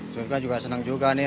jadi kan juga senang juga nih